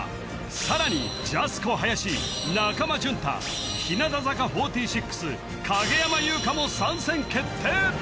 さらにジャスコ林中間淳太日向坂４６影山優佳も参戦決定！